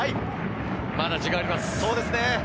まだ時間があります。